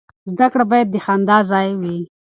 زده کړه باید د خندا ځای وي.